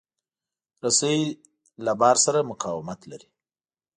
رسۍ له بار سره مقاومت لري.